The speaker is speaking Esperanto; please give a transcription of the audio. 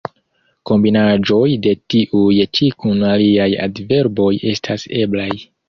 Kombinaĵoj de tiuj ĉi kun aliaj adverboj estas eblaj.